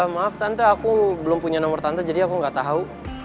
maaf tante aku belum punya nomor tante jadi aku nggak tahu